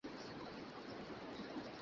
এই বলিয়া কমলা কিছুক্ষণ চুপ করিয়া রহিল।